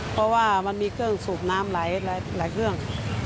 เพราะว่ามันมีเครื่องสูบน้ำหลายเครื่อง